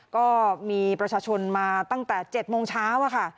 ก็มีประชาชนมาตั้งแต่๗โมงเช้าค่ะ